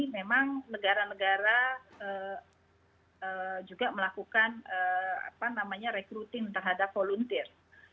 memang negara negara juga melakukan rekrutin terhadap volunteer